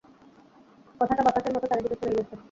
কথাটা বাতাসের মত চারিদিকে ছড়িয়ে গেছে।